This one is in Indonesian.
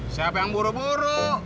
siapa yang buru buru